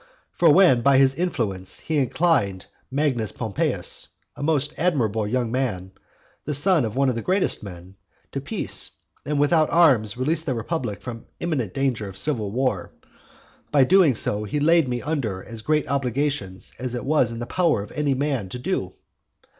For when by his influence he inclined Magnus Pompeius, a most admirable young man, the son of one of the greatest of men, to peace, and without arms released the republic from imminent danger of civil war, by so doing he laid me under as great obligations as it was in the power of any man to do.